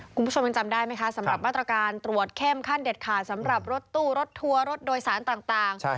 คุณผู้ชมยังจำได้ไหมคะสำหรับมาตรการตรวจเข้มขั้นเด็ดขาดสำหรับรถตู้รถทัวร์รถโดยสารต่าง